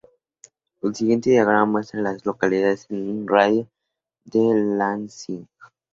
El siguiente diagrama muestra a las localidades en un radio de de Lansing.